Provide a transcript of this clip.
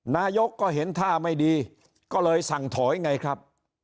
นายกก็เห็นท่าไม่ดีก็เลยสั่งถอยไงครับ